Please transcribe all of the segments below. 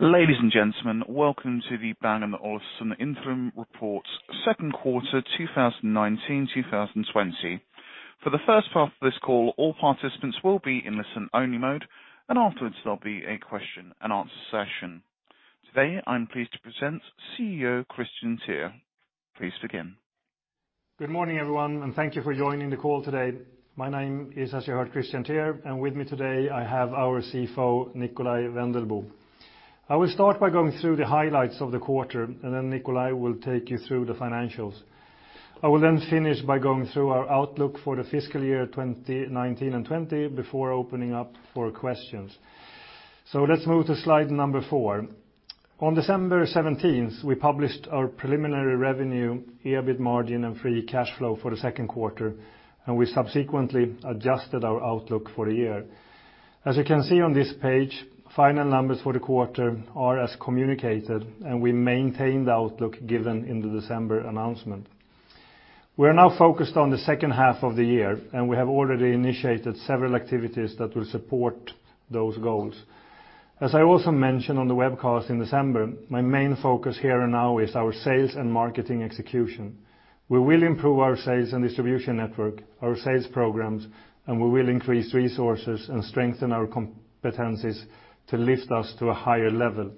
Ladies and gentlemen, welcome to the Bang & Olufsen interim report, second quarter, 2019, 2020. For the first part of this call, all participants will be in listen-only mode, and afterwards, there'll be a question-and-answer session. Today, I'm pleased to present CEO Kristian Teär. Please begin. Good morning, everyone, and thank you for joining the call today. My name is, as you heard, Kristian Teär, and with me today, I have our CFO, Nikolaj Wendelboe. I will start by going through the highlights of the quarter, and then Nikolaj will take you through the financials. I will then finish by going through our outlook for the fiscal year 2019 and 2020, before opening up for questions. Let's move to Slide number 4. On December 17th, we published our preliminary revenue, EBIT margin, and free cash flow for the second quarter, and we subsequently adjusted our outlook for the year. As you can see on this page, final numbers for the quarter are as communicated, and we maintain the outlook given in the December announcement. We are now focused on the second half of the year, and we have already initiated several activities that will support those goals. As I also mentioned on the webcast in December, my main focus here and now is our sales and marketing execution. We will improve our sales and distribution network, our sales programs, and we will increase resources and strengthen our competencies to lift us to a higher level.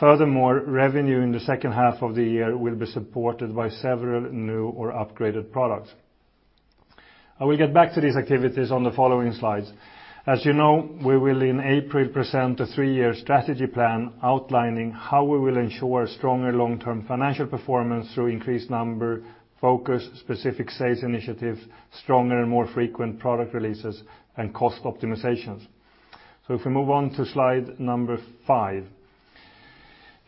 Furthermore, revenue in the second half of the year will be supported by several new or upgraded products. I will get back to these activities on the following slides. As you know, we will in April present a three-year strategy plan outlining how we will ensure stronger long-term financial performance through increased number, focus, specific sales initiatives, stronger and more frequent product releases, and cost optimizations. So if we move on to Slide number 5.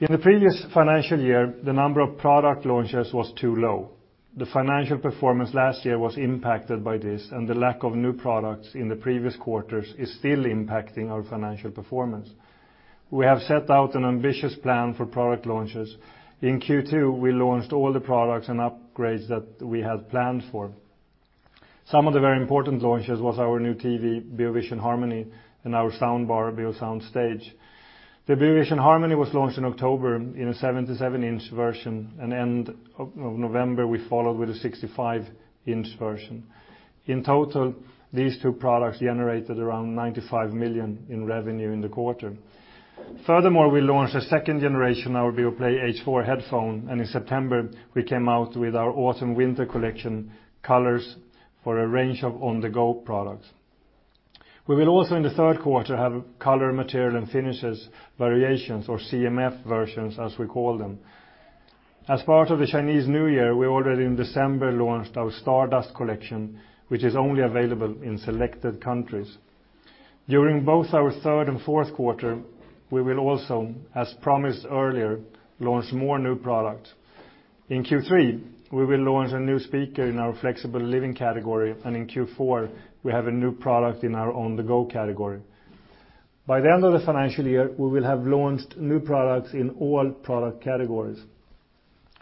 In the previous financial year, the number of product launches was too low. The financial performance last year was impacted by this, and the lack of new products in the previous quarters is still impacting our financial performance. We have set out an ambitious plan for product launches. In Q2, we launched all the products and upgrades that we had planned for. Some of the very important launches was our new TV, Beovision Harmony, and our soundbar, Beosound Stage. The Beovision Harmony was launched in October in a 77-inch version, and end of November, we followed with a 65-inch version. In total, these two products generated around 95 million in revenue in the quarter. Furthermore, we launched a second generation, our Beoplay H4 headphone, and in September, we came out with our autumn-winter collection colors for a range of On-the-go products. We will also, in the third quarter, have color, material, and finishes variations, or CMF versions, as we call them. As part of the Chinese New Year, we already in December launched our Stardust Collection, which is only available in selected countries. During both our third and fourth quarter, we will also, as promised earlier, launch more new products. In Q3, we will launch a new speaker in our Flexible Living category, and in Q4, we have a new product in our On-the-go category. By the end of the financial year, we will have launched new products in all product categories.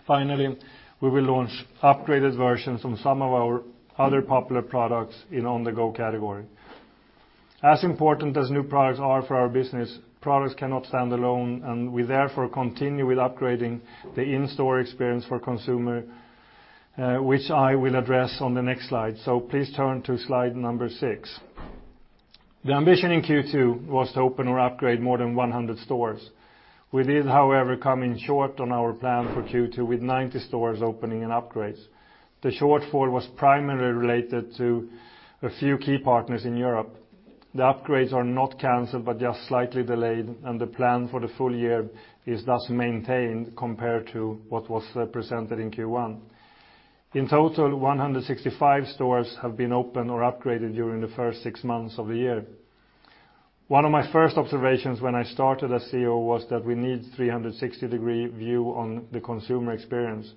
Finally, we will launch upgraded versions on some of our other popular products in On-the-go category. As important as new products are for our business, products cannot stand alone, and we therefore continue with upgrading the in-store experience for consumer, which I will address on the next slide. So please turn to Slide number 6. The ambition in Q2 was to open or upgrade more than 100 stores. We did, however, come in short on our plan for Q2 with 90 stores opening and upgrades. The shortfall was primarily related to a few key partners in Europe. The upgrades are not canceled, but just slightly delayed, and the plan for the full year is thus maintained compared to what was presented in Q1. In total, 165 stores have been opened or upgraded during the first six months of the year. One of my first observations when I started as CEO was that we need 360-degree view on the consumer experience.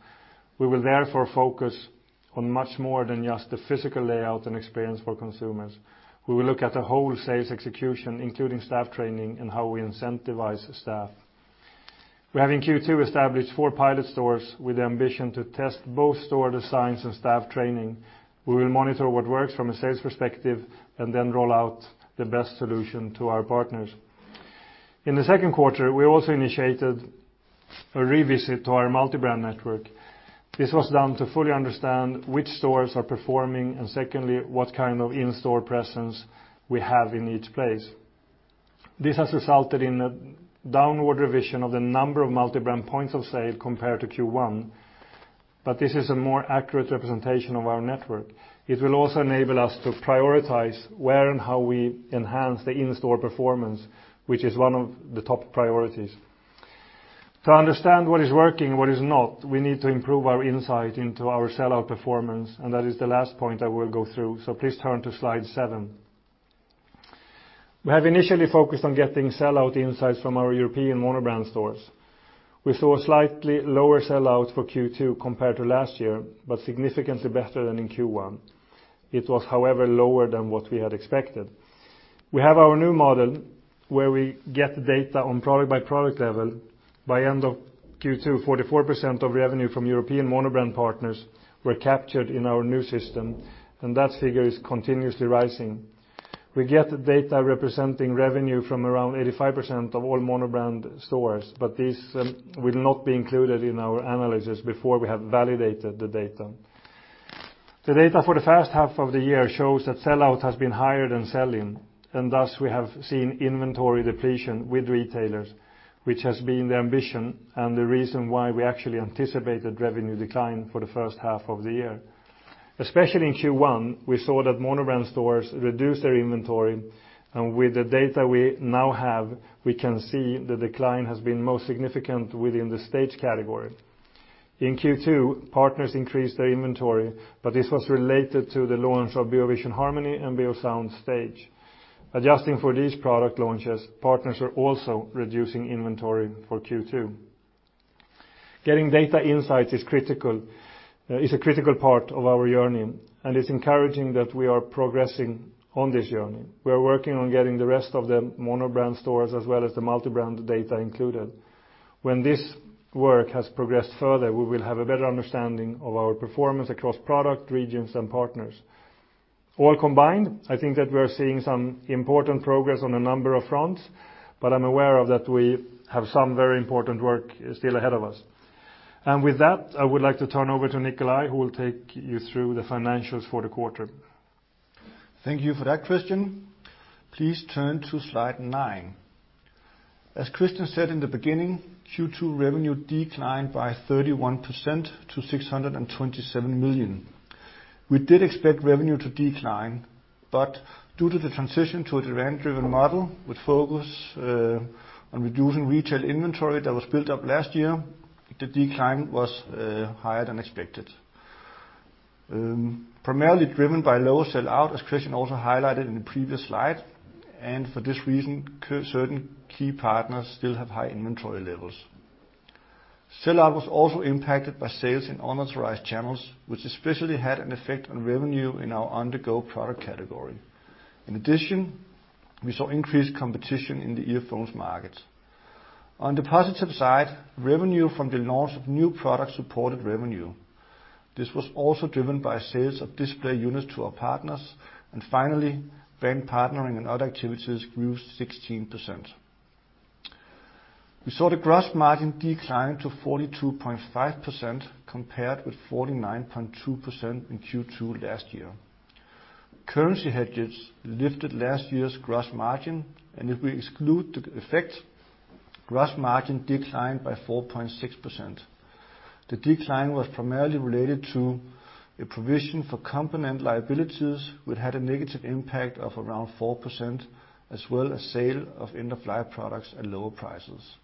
We will therefore focus on much more than just the physical layout and experience for consumers. We will look at the whole sales execution, including staff training and how we incentivize staff. We, having Q2, established four pilot stores with the ambition to test both store designs and staff training. We will monitor what works from a sales perspective, and then roll out the best solution to our partners. In the second quarter, we also initiated a revisit to our multi-brand network. This was done to fully understand which stores are performing, and secondly, what kind of in-store presence we have in each place. This has resulted in a downward revision of the number of multi-brand points of sale compared to Q1, but this is a more accurate representation of our network. It will also enable us to prioritize where and how we enhance the in-store performance, which is one of the top priorities. To understand what is working and what is not, we need to improve our insight into our sell-out performance, and that is the last point I will go through. Please turn to Slide 7. We have initially focused on getting sell-out insights from our European monobrand stores. We saw a slightly lower sell-out for Q2 compared to last year, but significantly better than in Q1. It was, however, lower than what we had expected. We have our new model, where we get the data on product by product level. By end of Q2, 44% of revenue from European monobrand partners were captured in our new system, and that figure is continuously rising. We get the data representing revenue from around 85% of all monobrand stores, but these will not be included in our analysis before we have validated the data. The data for the first half of the year shows that sell-out has been higher than sell-in, and thus we have seen inventory depletion with retailers, which has been the ambition and the reason why we actually anticipated revenue decline for the first half of the year. Especially in Q1, we saw that monobrand stores reduced their inventory, and with the data we now have, we can see the decline has been most significant within the Stage category. In Q2, partners increased their inventory, but this was related to the launch of Beovision Harmony and Beosound Stage. Adjusting for these product launches, partners are also reducing inventory for Q2. Getting data insights is critical, is a critical part of our journey, and it's encouraging that we are progressing on this journey. We are working on getting the rest of the monobrand stores, as well as the multi-brand data included. When this work has progressed further, we will have a better understanding of our performance across product, regions, and partners. All combined, I think that we are seeing some important progress on a number of fronts, but I'm aware of that we have some very important work still ahead of us. With that, I would like to turn over to Nikolaj, who will take you through the financials for the quarter. Thank you for that, Kristian. Please turn to Slide 9. As Kristian said in the beginning, Q2 revenue declined by 31% to 627 million. We did expect revenue to decline, but due to the transition to a demand-driven model, with focus on reducing retail inventory that was built up last year, the decline was higher than expected. Primarily driven by lower sell-out, as Kristian also highlighted in the previous slide, and for this reason, certain key partners still have high inventory levels. Sell-out was also impacted by sales in unauthorized channels, which especially had an effect on revenue in our On-the-go product category. In addition, we saw increased competition in the earphones markets. On the positive side, revenue from the launch of new products supported revenue. This was also driven by sales of display units to our partners, and finally, brand partnering and other activities grew 16%. We saw the gross margin decline to 42.5%, compared with 49.2% in Q2 last year. Currency hedges lifted last year's gross margin, and if we exclude the effect, gross margin declined by 4.6%. The decline was primarily related to a provision for component liabilities, which had a negative impact of around 4%, as well as sale of end-of-life products at lower prices.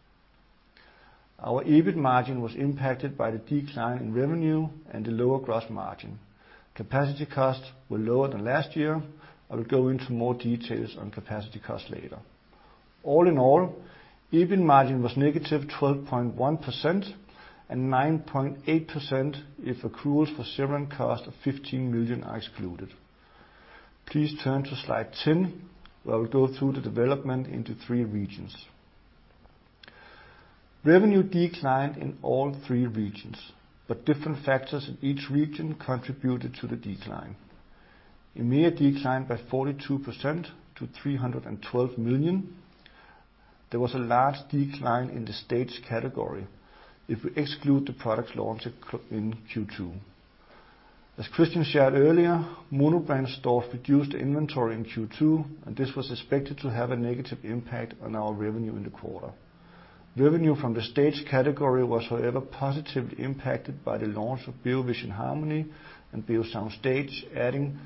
Our EBIT margin was impacted by the decline in revenue and the lower gross margin. Capacity costs were lower than last year. I will go into more details on capacity costs later. All in all, EBIT margin was -12.1%, and 9.8% if accruals for severance cost of 15 million are excluded. Please turn to Slide 10, where I will go through the development into three regions. Revenue declined in all three regions, but different factors in each region contributed to the decline. EMEA declined by 42% to 312 million. There was a large decline in the Stage category if we exclude the products launched in Q2. As Kristian shared earlier, monobrand stores reduced inventory in Q2, and this was expected to have a negative impact on our revenue in the quarter. Revenue from the Stage category was, however, positively impacted by the launch of Beovision Harmony and Beosound Stage, adding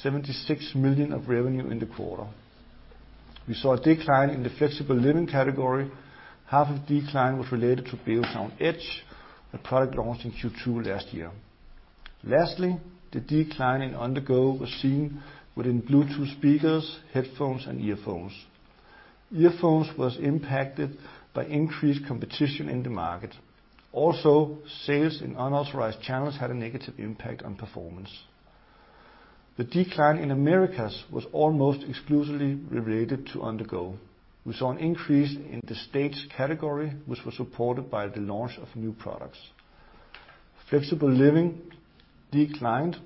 76 million of revenue in the quarter. We saw a decline in the Flexible Living category. Half of decline was related to Beosound Edge, a product launched in Q2 last year. Lastly, the decline in On-the-go was seen within Bluetooth speakers, headphones, and earphones. Earphones was impacted by increased competition in the market. Also, sales in unauthorized channels had a negative impact on performance. The decline in Americas was almost exclusively related to On-the-go. We saw an increase in the Stage category, which was supported by the launch of new products. Flexible Living declined,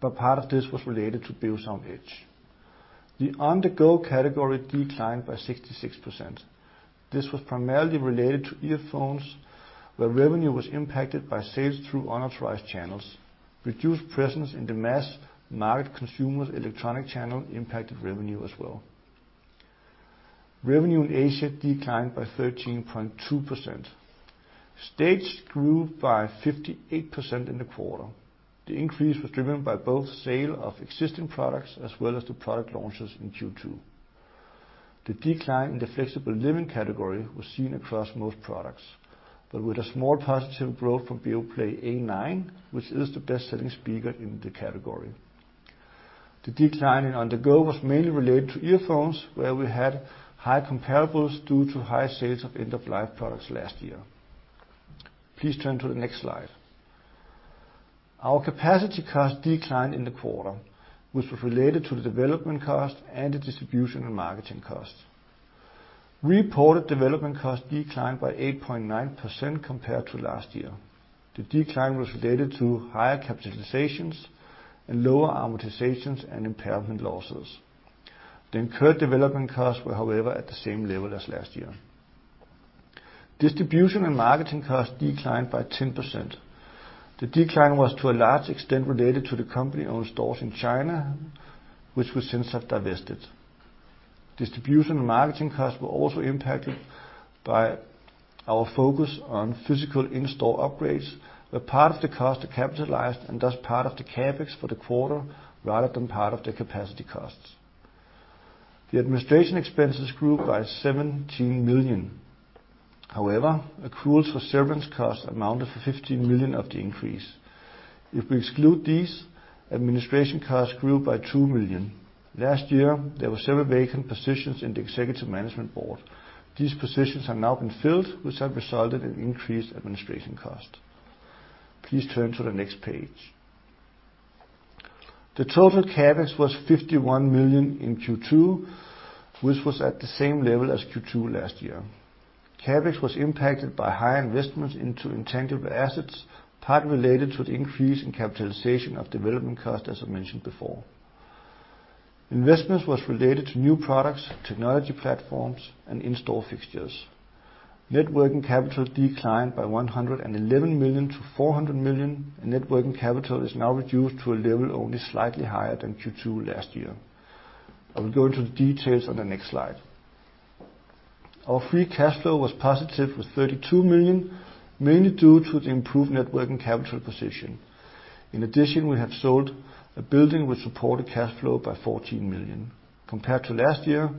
but part of this was related to Beosound Edge. The On-the-go category declined by 66%. This was primarily related to earphones, where revenue was impacted by sales through unauthorized channels. Reduced presence in the mass market consumer electronics channel impacted revenue as well. Revenue in Asia declined by 13.2%. Stage grew by 58% in the quarter. The increase was driven by both sale of existing products, as well as the product launches in Q2. The decline in the Flexible Living category was seen across most products, but with a small positive growth from Beoplay A9, which is the best-selling speaker in the category. The decline in On-the-go was mainly related to earphones, where we had high comparables due to high sales of end-of-life products last year. Please turn to the next slide. Our capacity costs declined in the quarter, which was related to the development cost and the distribution and marketing cost. Reported development costs declined by 8.9% compared to last year. The decline was related to higher capitalizations and lower amortizations and impairment losses. The incurred development costs were, however, at the same level as last year. Distribution and marketing costs declined by 10%. The decline was, to a large extent, related to the company-owned stores in China, which we since have divested. Distribution and marketing costs were also impacted by our focus on physical in-store upgrades, where part of the cost are capitalized and thus part of the CapEx for the quarter, rather than part of the capacity costs. The administration expenses grew by 17 million. However, accruals for severance costs amounted for 15 million of the increase. If we exclude these, administration costs grew by 2 million. Last year, there were several vacant positions in the executive management board. These positions have now been filled, which have resulted in increased administration cost. Please turn to the next page. The total CapEx was 51 million in Q2, which was at the same level as Q2 last year. CapEx was impacted by higher investments into intangible assets, partly related to the increase in capitalization of development cost, as I mentioned before. Investments was related to new products, technology platforms, and in-store fixtures. Net working capital declined by 111 million to 400 million, and net working capital is now reduced to a level only slightly higher than Q2 last year. I will go into the details on the next slide. Our free cash flow was positive with 32 million, mainly due to the improved net working capital position. In addition, we have sold a building which supported cash flow by 14 million. Compared to last year,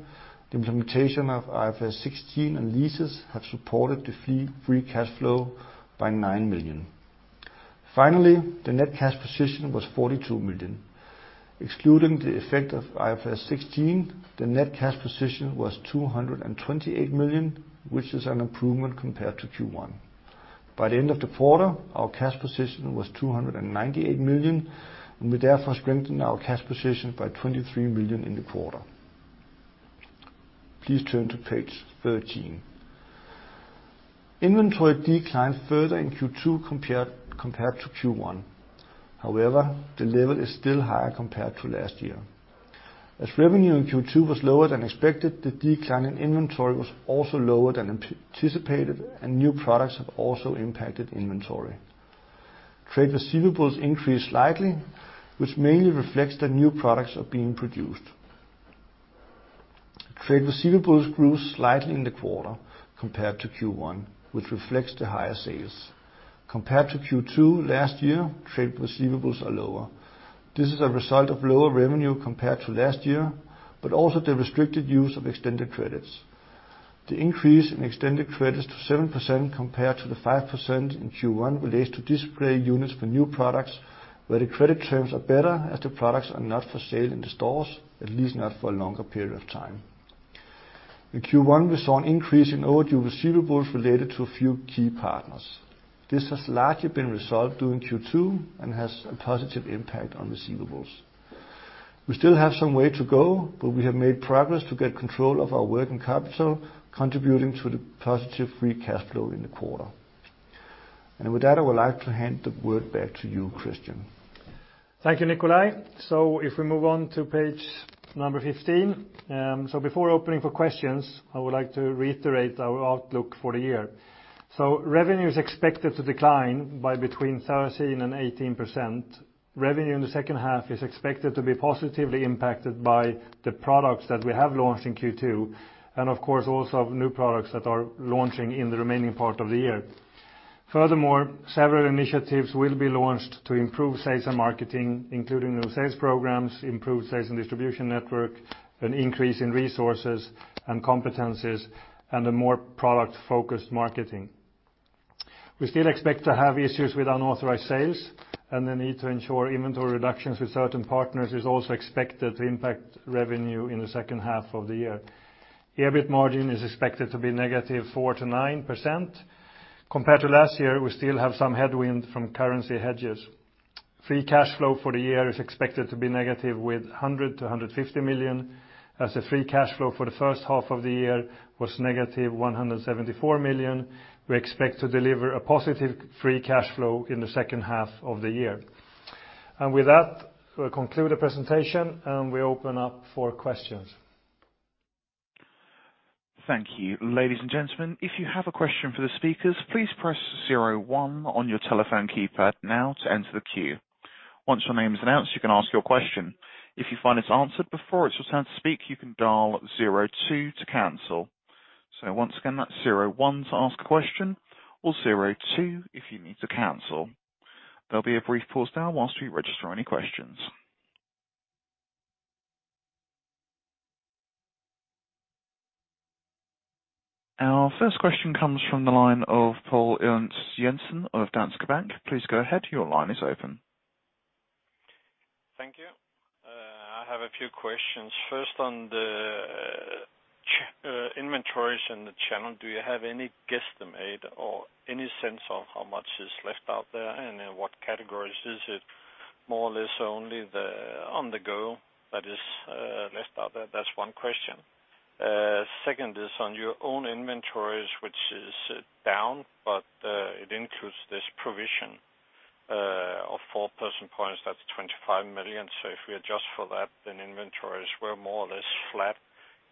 the implementation of IFRS 16 and leases have supported the free cash flow by 9 million. Finally, the net cash position was 42 million. Excluding the effect of IFRS 16, the net cash position was 228 million, which is an improvement compared to Q1. By the end of the quarter, our cash position was 298 million, and we therefore strengthened our cash position by 23 million in the quarter. Please turn to page 13. Inventory declined further in Q2 compared to Q1. However, the level is still higher compared to last year. As revenue in Q2 was lower than expected, the decline in inventory was also lower than anticipated, and new products have also impacted inventory. Trade receivables increased slightly, which mainly reflects that new products are being produced. Trade receivables grew slightly in the quarter compared to Q1, which reflects the higher sales. Compared to Q2 last year, trade receivables are lower. This is a result of lower revenue compared to last year, but also the restricted use of extended credits. The increase in extended credits to 7% compared to the 5% in Q1 relates to display units for new products, where the credit terms are better as the products are not for sale in the stores, at least not for a longer period of time. In Q1, we saw an increase in overdue receivables related to a few key partners. This has largely been resolved during Q2 and has a positive impact on receivables. We still have some way to go, but we have made progress to get control of our working capital, contributing to the positive free cash flow in the quarter. And with that, I would like to hand the word back to you, Kristian. Thank you, Nikolaj. If we move on to Page number 15, before opening for questions, I would like to reiterate our outlook for the year. Revenue is expected to decline by between 13% and 18%. Revenue in the second half is expected to be positively impacted by the products that we have launched in Q2, and of course, also new products that are launching in the remaining part of the year. Furthermore, several initiatives will be launched to improve sales and marketing, including new sales programs, improved sales and distribution network, an increase in resources and competencies, and a more product-focused marketing. We still expect to have issues with unauthorized sales, and the need to ensure inventory reductions with certain partners is also expected to impact revenue in the second half of the year. EBIT margin is expected to be -4%-9%. Compared to last year, we still have some headwind from currency hedges. Free cash flow for the year is expected to be negative, with 100 million-150 million. As the free cash flow for the first half of the year was negative 174 million, we expect to deliver a positive free cash flow in the second half of the year. With that, we'll conclude the presentation, and we open up for questions. Thank you. Ladies and gentlemen, if you have a question for the speakers, please press zero one on your telephone keypad now to enter the queue. Once your name is announced, you can ask your question. If you find it's answered before it's your turn to speak, you can dial zero two to cancel. So once again, that's zero one to ask a question, or zero two if you need to cancel. There'll be a brief pause now while we register any questions. Our first question comes from the line of Poul Ernst Jessen of Danske Bank. Please go ahead. Your line is open. Thank you. I have a few questions. First, on the...... inventories in the channel, do you have any guesstimate or any sense of how much is left out there, and in what categories is it? More or less only the On-the-go that is left out there. That's one question. Second is on your own inventories, which is down, but it includes this provision of four percentage points, that's 25 million. So if we adjust for that, then inventories were more or less flat.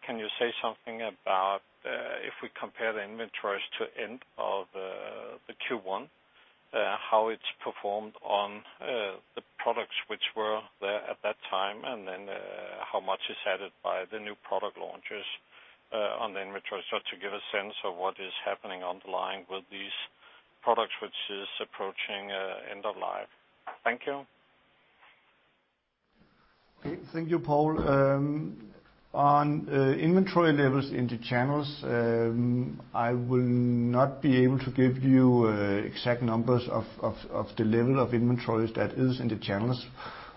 Can you say something about if we compare the inventories to end of the Q1, how it's performed on the products which were there at that time? And then how much is added by the new product launches on the inventories, just to give a sense of what is happening on the line with these products, which is approaching end of life? Thank you. Thank you, Paul. On inventory levels in the channels, I will not be able to give you exact numbers of the level of inventories that is in the channels.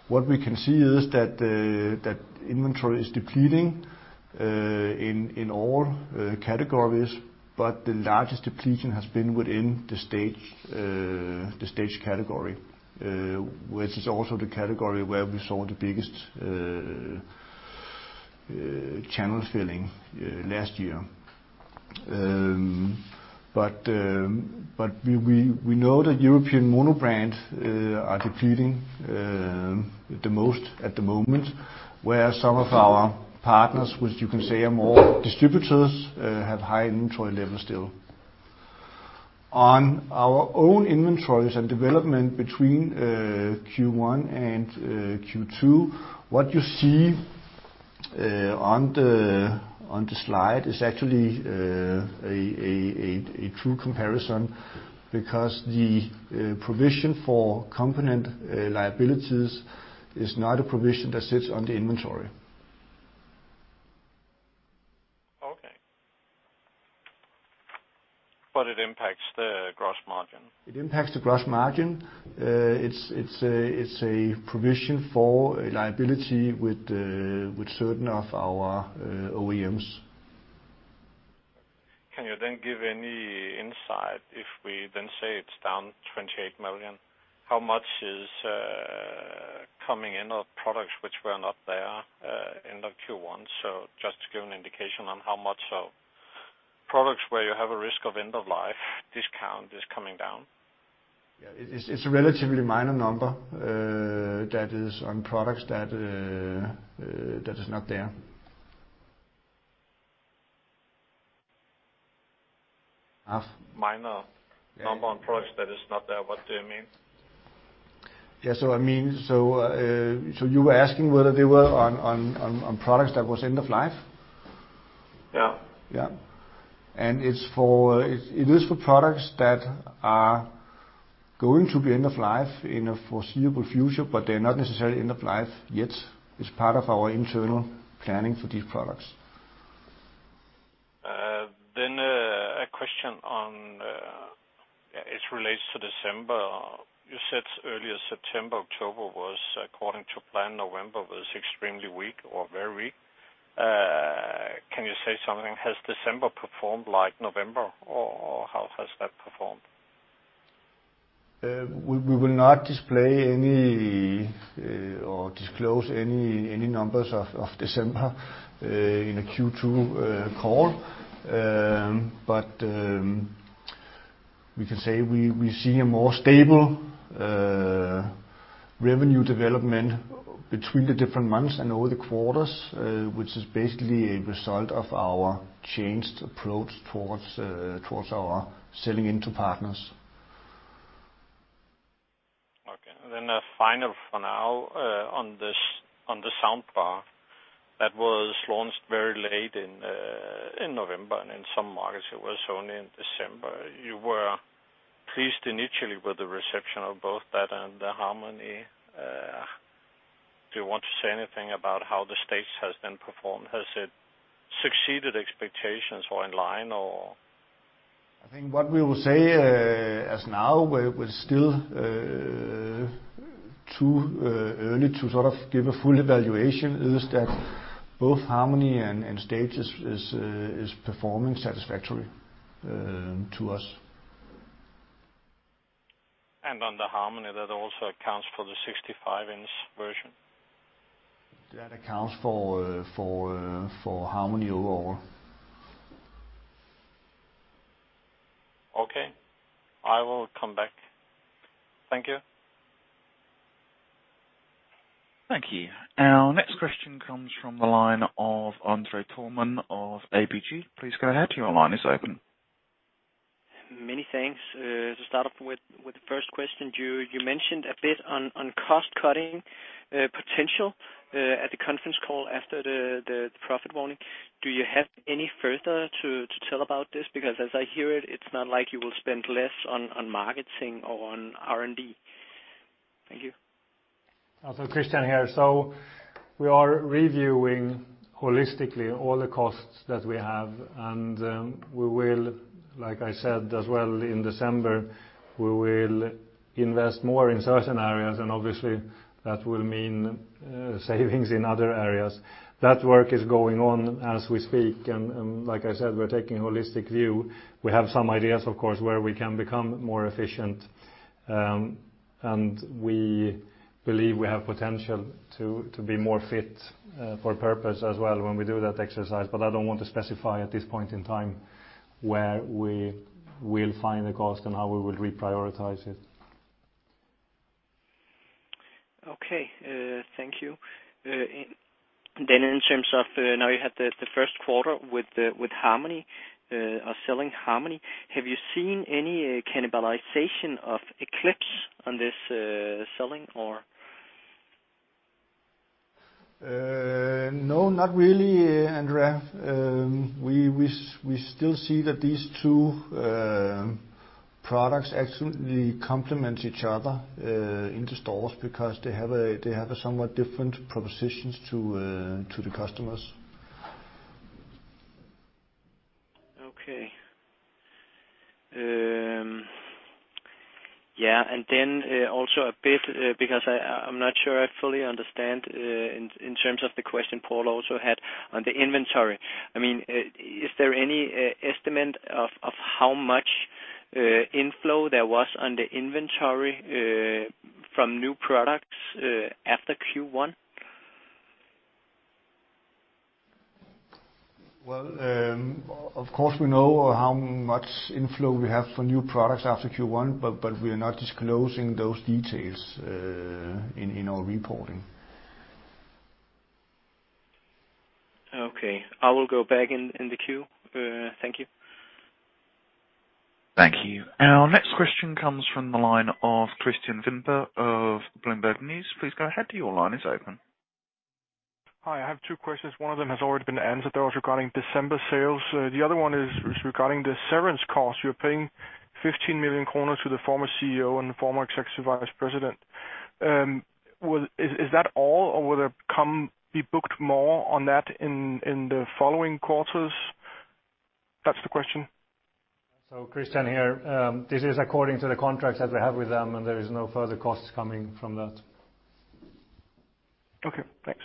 What we can see is that inventory is depleting in all categories, but the largest depletion has been within the Stage category, which is also the category where we saw the biggest channel filling last year. But we know that European mono brands are depleting the most at the moment, where some of our partners, which you can say are more distributors, have high inventory levels still. On our own inventories and development between Q1 and Q2, what you see on the slide is actually a true comparison because the provision for component liabilities is not a provision that sits on the inventory. Okay. But it impacts the gross margin? It impacts the gross margin. It's a provision for a liability with certain of our OEMs. Can you then give any insight, if we then say it's down 28 million, how much is coming in of products which were not there end of Q1? So just to give an indication on how much of products where you have a risk of end of life discount is coming down. Yeah, it's a relatively minor number that is on products that is not there. Minor- Yeah. Number on products that is not there. What do you mean? Yeah, so I mean, you were asking whether they were on products that was end of life? Yeah. Yeah. And it's for, it is for products that are going to be end of life in the foreseeable future, but they're not necessarily end of life yet. It's part of our internal planning for these products. Then, a question on, it relates to December. You said earlier September, October was according to plan, November was extremely weak or very weak. Can you say something, has December performed like November, or, or how has that performed? We will not display any, or disclose any numbers of December in a Q2 call. But we can say we see a more stable revenue development between the different months and over the quarters, which is basically a result of our changed approach towards our selling into partners. Okay. Then, final for now, on the soundbar that was launched very late in November, and in some markets it was only in December. You were pleased initially with the reception of both that and the Harmony. Do you want to say anything about how the Stage has then performed? Has it succeeded expectations or in line, or? I think what we will say, as now, we're still too early to sort of give a full evaluation, is that both Harmony and Stage is performing satisfactory to us. On the Harmony, that also accounts for the 65-inch version? That accounts for Harmony overall. Okay. I will come back. Thank you. Thank you. Our next question comes from the line of André Thormann of ABG. Please go ahead, your line is open. Many thanks. To start off with the first question, you mentioned a bit on cost cutting potential at the conference call after the profit warning. Do you have any further to tell about this? Because as I hear it, it's not like you will spend less on marketing or on R&D... Thank you. Also, Kristian here. So we are reviewing holistically all the costs that we have, and, we will, like I said, as well, in December, we will invest more in certain areas, and obviously, that will mean, savings in other areas. That work is going on as we speak, and, like I said, we're taking a holistic view. We have some ideas, of course, where we can become more efficient, and we believe we have potential to be more fit, for purpose as well when we do that exercise, but I don't want to specify at this point in time where we will find the cost and how we will reprioritize it. Okay, thank you. Then in terms of, now you had the first quarter with Harmony, or selling Harmony, have you seen any cannibalization of Eclipse on this selling or? No, not really, André. We still see that these two products actually complement each other in the stores because they have a somewhat different propositions to the customers. Okay. Yeah, and then also a bit because I, I'm not sure I fully understand, in terms of the question Poul also had on the inventory. I mean, is there any estimate of how much inflow there was on the inventory from new products after Q1? Well, of course, we know how much inflow we have for new products after Q1, but we are not disclosing those details in our reporting. Okay, I will go back in the queue. Thank you. Thank you. Our next question comes from the line of Christian Wienberg of Bloomberg News. Please go ahead. Your line is open. Hi, I have two questions. One of them has already been answered, that was regarding December sales. The other one is regarding the severance cost. You're paying 15 million kroner to the former CEO and the former executive vice president. Well, is that all, or will there be booked more on that in the following quarters? That's the question. So Kristian here. This is according to the contracts that we have with them, and there is no further costs coming from that. Okay, thanks.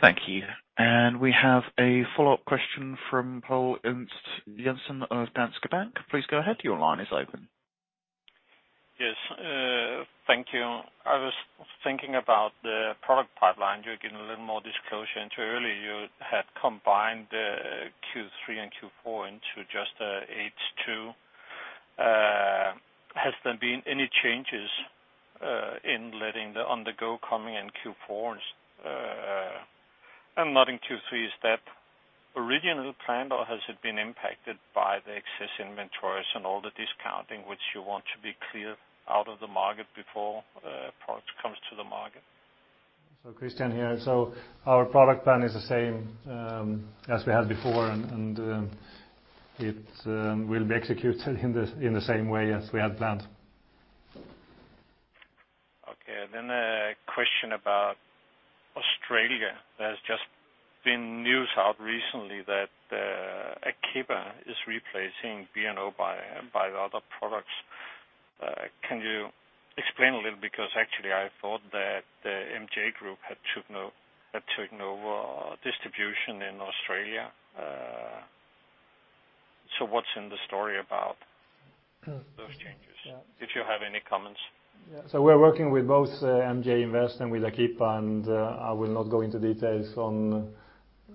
Thank you. We have a follow-up question from Poul Ernst Jessen of Danske Bank. Please go ahead, your line is open. Yes, thank you. I was thinking about the product pipeline. You're giving a little more disclosure into earlier, you had combined Q3 and Q4 into just H2. Has there been any changes in letting the On the Go coming in Q4 and not in Q3? Is that original plan, or has it been impacted by the excess inventories and all the discounting, which you want to clear out of the market before products comes to the market? So, Kristian here. So, our product plan is the same as we had before, and it will be executed in the same way as we had planned. Okay, then a question about Australia. There's just been news out recently that Aqipa is replacing B&O by, by the other products. Can you explain a little? Because actually I thought that the MJ Invest had taken over distribution in Australia. So what's in the story about those changes? Yeah. If you have any comments. Yeah, so we're working with both, MJ Invest and with Aqipa, and, I will not go into details on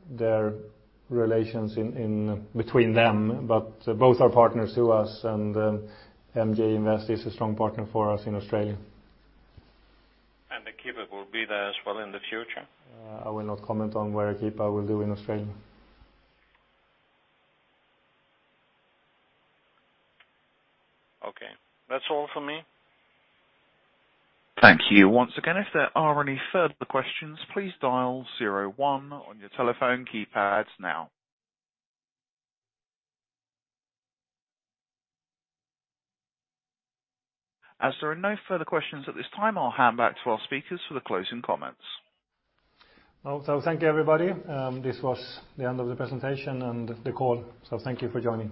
their relations in between them, but both are partners to us, and, MJ Invest is a strong partner for us in Australia. Aqipa will be there as well in the future? I will not comment on where Aqipa will do in Australia. Okay, that's all for me. Thank you. Once again, if there are any further questions, please dial zero one on your telephone keypads now. As there are no further questions at this time, I'll hand back to our speakers for the closing comments. Well, so thank you, everybody. This was the end of the presentation and the call, so thank you for joining.